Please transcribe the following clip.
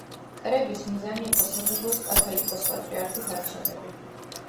კრების მიზანი იყო საქართველოს კათოლიკოს-პატრიარქის არჩევნები.